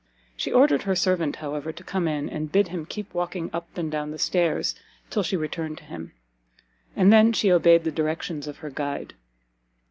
She ordered her servant, however, to come in, and bid him keep walking up and down the stairs till she returned to him. And then she obeyed the directions of her guide.